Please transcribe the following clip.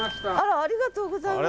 ありがとうございます。